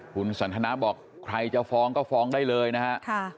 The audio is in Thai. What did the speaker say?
คุณสันทนาบอกใครจะฟ้องก็ฟ้องได้เลยนะฮะ